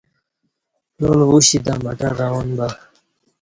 پلال ووشی تہ مٹر روان بہ